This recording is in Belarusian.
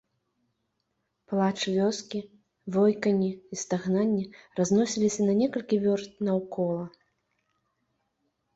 Плач вёскі, войканне і стагнанне разносіліся на некалькі вёрст наўкола.